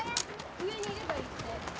上にいればいいって。